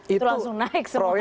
itu langsung naik semuanya